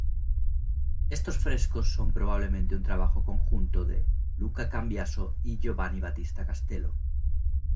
Estos frescos son probablemente un trabajo conjunto de Luca Cambiaso y Giovanni Battista Castello.